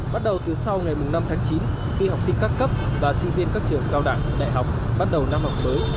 bắt đầu từ sau ngày năm tháng chín khi học sinh các cấp và sinh viên các trường cao đẳng đại học bắt đầu năm học mới